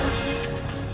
jangan lupa untuk mencoba